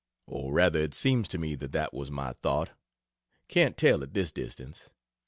Or rather it seems to me that that was my thought can't tell at this distance.